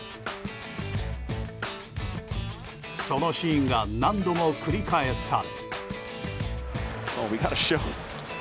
そのシーンが何度も繰り返され。